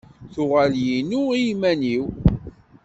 Tuɣal yinu iman-iw.